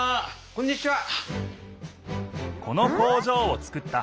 こんにちは！